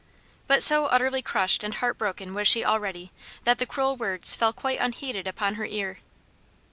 But so utterly crushed and heart broken was she already, that the cruel words fell quite unheeded upon her ear.